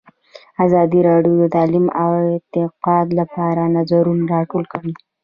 ازادي راډیو د تعلیم د ارتقا لپاره نظرونه راټول کړي.